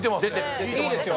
いいですよ